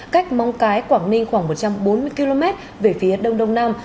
cách mong cái quảng ninh khoảng một trăm bốn mươi km về phía đông đông nam